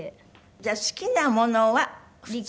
じゃあ好きなものは普通で？